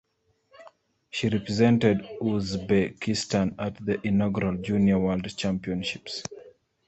She represented Uzbekistan at the inaugural junior World Championships.